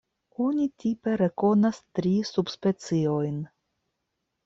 Oni tipe rekonas tri subspeciojn.